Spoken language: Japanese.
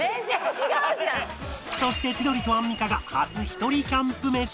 そして千鳥とアンミカが初ひとりキャンプメシ